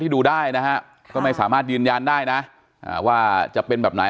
ดูได้นะฮะก็ไม่สามารถยืนยันได้นะว่าจะเป็นแบบไหน